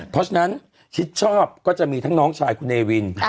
เพราะฉะนั้นชิดชอบก็จะมีทั้งน้องชายคุณเนวิน